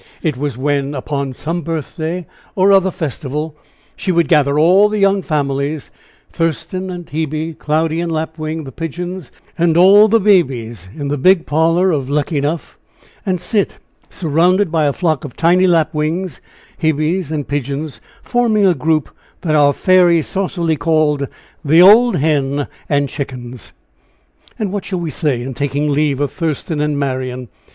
It was, when upon some birthday or other festival, she would gather all the young families Thurston and Hebe, Cloudy and Lapwing, the Pigeons, and all the babies, in the big parlor of Luckenough, and sit surrounded by a flock of tiny lapwings, hebes and pigeons, forming a group that our fairy saucily called, "The old hen and chickens." And what shall we say in taking leave of Thurston and Marian?